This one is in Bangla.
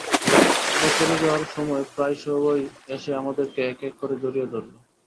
আমরা চলে যাওয়ার সময় প্রায় সবাই এসে আমাদেরকে এক এক করে জড়িয়ে ধরল।